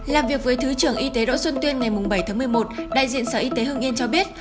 làm việc với thứ trưởng y tế đỗ xuân tuyên ngày bảy tháng một mươi một đại diện sở y tế hương yên cho biết